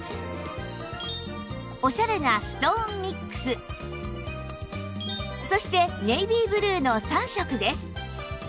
オシャレなストーンミックスそしてネイビーブルーの３色です